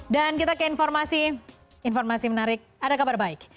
dan kita ke informasi informasi menarik ada kabar baik